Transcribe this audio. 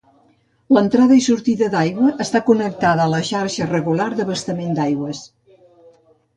L'entrada i sortida de l'aigua està connectada a la xarxa regular d'abastament d'aigües.